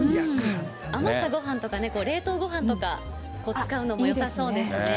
余ったごはんとかね、冷凍ごはんとか使うのもよさそうですね。